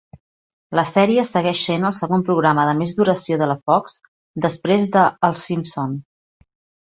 La sèrie segueix sent el segon programa de més duració de la Fox després de "Els Simpson".